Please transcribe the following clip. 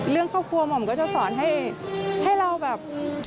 เรื่องครอบครัวหม่อมก็จะสอนให้เราแบบ